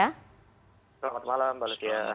selamat malam mbak lucia